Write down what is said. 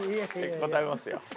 答えますよ。